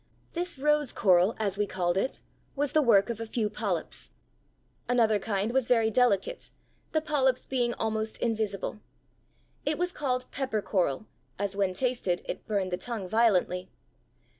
This rose coral, as we called it, was the work of a few polyps. Another kind was very delicate, the polyps being almost invisible. It was called pepper coral, as when tasted it burned the tongue violently.